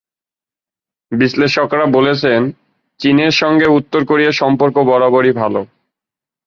বিশ্লেষকেরা বলছেন, চীনের সঙ্গে উত্তর কোরিয়ার সম্পর্ক বরাবরই ভালো।